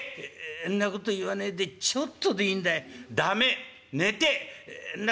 「んなこと言わねえでちょっとでいんだい」。